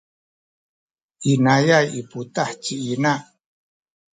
inayay i putah ci ina.